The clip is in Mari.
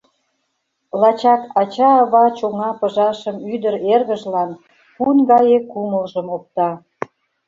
Лачак ача-ава чоҥа пыжашым ӱдыр-эргыжлан, пун гае кумылжым опта.